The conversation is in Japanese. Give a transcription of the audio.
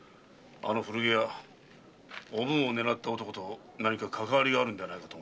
あの古着屋おぶんを狙った男と何かかかわりがあるのではと。